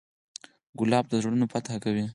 ګلاب د زړونو فتحه کوي.